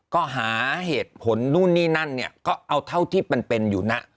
ก็หาเหตุผลนู่นนี่นั่นเนี่ยก็เอาเท่าที่มันเป็นอยู่นะ